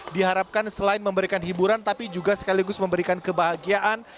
diharapkan selain memberikan hiburan tapi juga sekaligus memberikan kebahagiaan